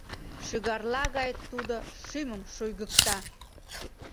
Шӱгарла гай тудо шӱмым шуйгыкта.